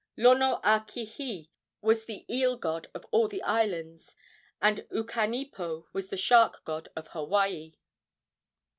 Lonoakihi was the eel god of all the islands, and Ukanipo was the shark god of Hawaii.